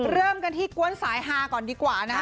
เริ่มกันที่กวนสายฮาก่อนดีกว่านะคะ